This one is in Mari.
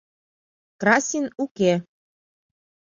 Красин уке.